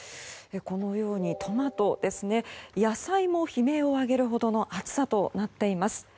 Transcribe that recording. このようにトマトなどの野菜も悲鳴上げるほどの暑さとなっています。